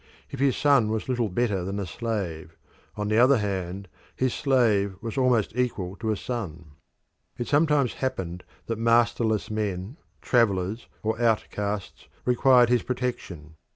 If his son was little better than a slave, on the other hand his slave was almost equal to a son. It sometimes happened that masterless men, travellers, or outcasts required his protection.